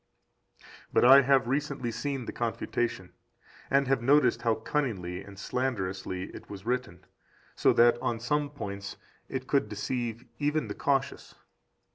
But I have recently seen the Confutation, and have noticed how cunningly and slanderously it was written, so that on some points it could deceive even the cautious.